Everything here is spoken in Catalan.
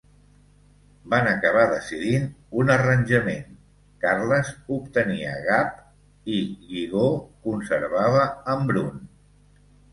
Van acabar decidint un arranjament, Carles obtenia Gap i Guigó conservava Embrun.